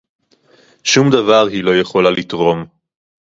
שום דבר היא לא יכולה לתרום